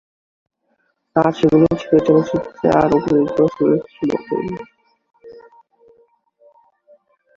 আর সেগুলো ছিলো চলচ্চিত্রটিতে তার অভিনীত চরিত্রের মতোই।